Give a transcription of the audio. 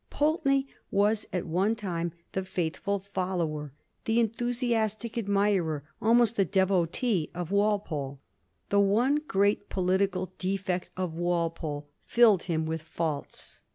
Pulteney was at one time the faithful follower, the enthusiastic admirer, almost the devotee, of Walpole. The one great political defect of Walpole filled him with faults.